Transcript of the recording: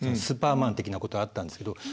スーパーマン的なことあったんですけど。